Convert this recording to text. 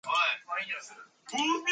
No bug appears during "The Simpsons".